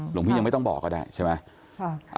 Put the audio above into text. หลวงพี่ยังไม่ต้องบอกก็ได้ใช่ไหม